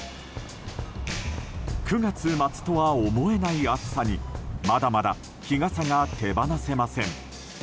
９月末とは思えない暑さにまだまだ日傘が手放せません。